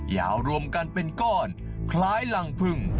ยาวรวมกันเป็นก้อนคล้ายรังพึ่ง